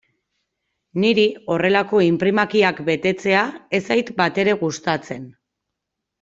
Niri horrelako inprimakiak betetzea ez zait batere gustatzen.